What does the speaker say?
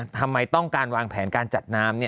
ทำไมต้องการวางแผนการจัดน้ำ